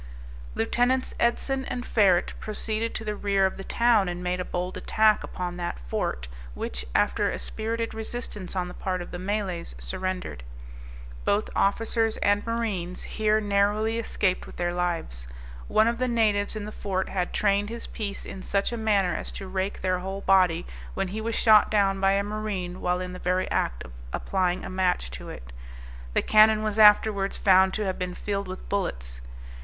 Lieutenants Edson and Ferret proceeded to the rear of the town, and made a bold attack upon that fort, which, after a spirited resistance on the part of the Malays, surrendered. Both officers and marines here narrowly escaped with their lives. One of the natives in the fort had trained his piece in such a manner as to rake their whole body, when he was shot down by a marine while in the very act of applying a match to it. The cannon was afterwards found to have been filled with bullets.